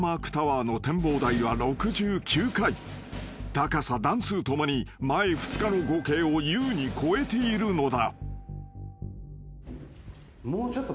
［高さ段数共に前２日の合計を優に超えているのだ］